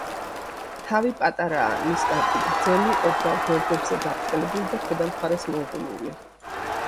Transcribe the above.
თავი პატარაა, ნისკარტი გრძელი, ოდნავ გვერდებზე გაბრტყელებული და ქვედა მხარეს მოღუნული.